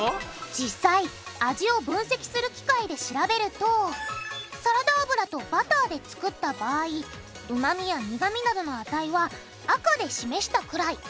実際味を分析する機械で調べるとサラダ油とバターで作った場合旨味や苦味などの値は赤で示したくらい。